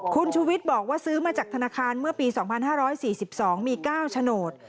คุณชูวิทย์บอกว่าซื้อมาจากธนาคารเมื่อปี๒๕๔๒มี๙โฉนด